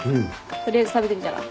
取りあえず食べてみたら？